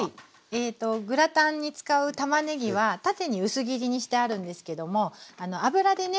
えっとグラタンに使うたまねぎは縦に薄切りにしてあるんですけども油でね